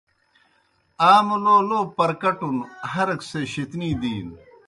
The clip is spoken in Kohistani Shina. آ مُلو لو پرکَٹُن ہر ایْک سے شیطنی دِینوْ۔